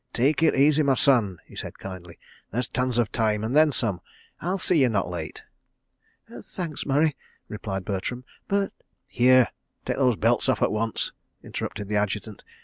"Take it easy, my son," he said kindly. "There's tons of time, and then some. I'll see you're not late. ..." "Thanks, Murray," replied Bertram, "but—" "Here—take those belts off at once," interrupted the Adjutant.